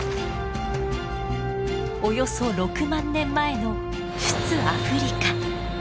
およそ６万年前の出・アフリカ。